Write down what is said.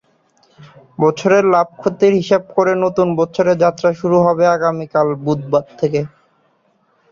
বছরের লাভ-ক্ষতির হিসাব করে নতুন বছরের যাত্রা শুরু হবে আগামীকাল বুধবার থেকে।